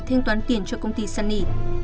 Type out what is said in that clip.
thanh toán tiền cho công ty sunny